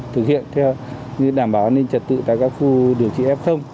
thực hiện theo đảm bảo an ninh trật tự tại các khu điều trị f